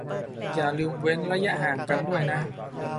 อย่าลืมเว้นระยะห่างกันด้วยนะ